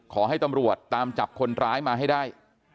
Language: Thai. ขอให้ตำรวจตามจับคนร้ายมาให้ได้